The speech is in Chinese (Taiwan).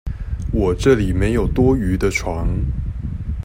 我這裡沒有多餘的床